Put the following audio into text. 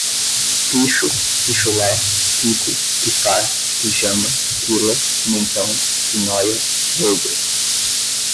picho, pichulé, pico, pifar, pijama, pila, pimentão, pinóia, lôgro